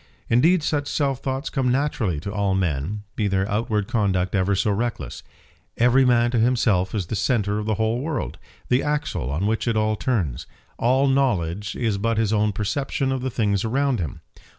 Indeed such self thoughts come naturally to all men, be their outward conduct ever so reckless. Every man to himself is the centre of the whole world; the axle on which it all turns. All knowledge is but his own perception of the things around him.